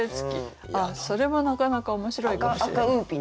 あっそれもなかなか面白いかもしれない。